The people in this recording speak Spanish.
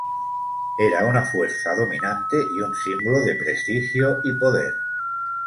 Era una fuerza dominante y un símbolo de prestigio y poder.